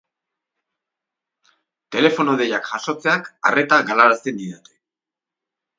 Telefono-deiak jasotzeak arreta galarazten didate